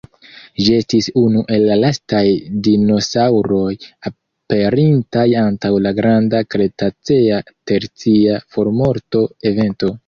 Ĝi estis unu el la lastaj dinosaŭroj aperintaj antaŭ la granda kretacea-tercia formorto-evento.